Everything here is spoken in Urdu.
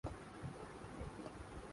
سونپا تھا جسے کام نگہبانئ دل کا